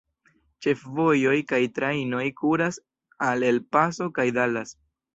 Ĉefvojoj kaj trajnoj kuras al El Paso kaj Dallas.